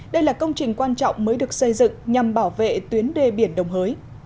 đây là công trình quan trọng mới được xây dựng nhằm bảo vệ tuyến đê biển đồng hới